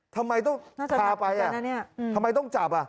ทำไมต้องพาไปทำไมต้องจับ